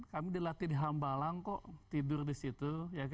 kami dilatih di hambalang kok tidur disitu